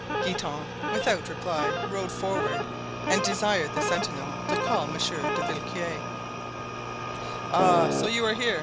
Guitant, without reply, rode forward and desired the sentinel to call Monsieur de Villequier. "Ah! so you are here!"